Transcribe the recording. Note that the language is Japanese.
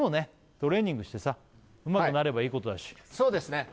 トレーニングしてさうまくなればいいことだしそうですね